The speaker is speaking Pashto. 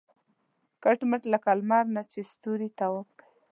کټ مټ لکه لمر نه چې ستوري طواف کوي.